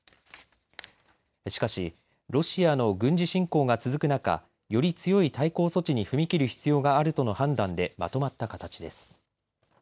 しかし、ロシアの軍事侵攻が続く中、より強い対抗措置に踏み切る必要があるとの判断でまとまった形です。